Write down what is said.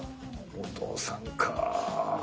お父さんか。